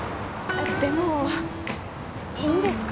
えっでもいいんですか？